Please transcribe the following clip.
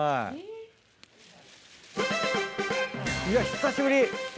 いや久しぶり。